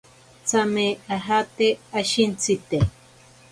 Tsame ajate ashintsite.